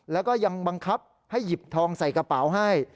แล้วก็ยังบังคับให้หยิบทองใส่กระเป๋าให้